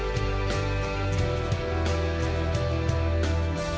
terima kasih tuhan